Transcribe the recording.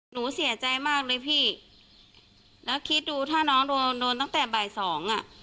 หนูเสียใจมากเลยพี่แล้วคิดดูถ้าน้องโดนโดนตั้งแต่บ่ายสองอ่ะ